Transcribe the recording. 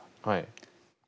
はい。